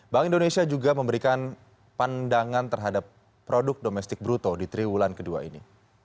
bank indonesia juga memberikan pandangan terhadap produk domestik bruto di triwulan kedua ini